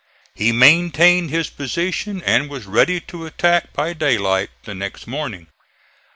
He maintained his position and was ready to attack by daylight the next morning.